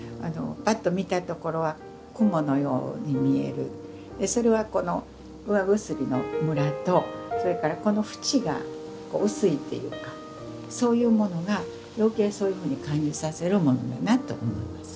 パッと見たところはそれはこの釉薬のむらとそれからこの縁が薄いっていうかそういうものがよけいそういうふうに感じさせるものだなと思いますね。